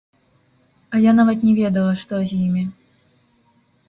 А я нават не ведала, што з імі.